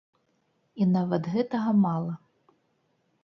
І нават гэтага мала.